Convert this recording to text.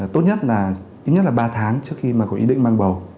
tốt nhất là ít nhất là ba tháng trước khi mà có ý định mang bầu